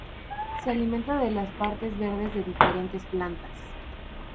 Se alimenta de las partes verdes de diferentes plantas.